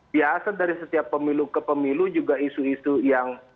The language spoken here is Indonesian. biasa dari setiap pemilu ke pemilu juga isu isu yang